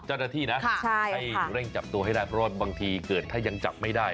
เจ้าหน้าที่นะให้เร่งจับตัวให้ได้เพราะว่าบางทีเกิดถ้ายังจับไม่ได้